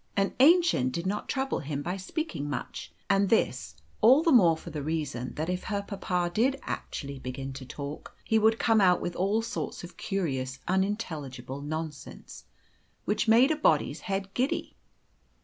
And Aennchen did not trouble him by speaking much, and this all the more for the reason that if her papa did actually begin to talk, he would come out with all sorts of curious unintelligible nonsense, which made a body's head giddy.